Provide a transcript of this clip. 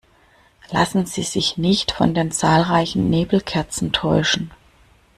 Lassen Sie sich nicht von den zahlreichen Nebelkerzen täuschen!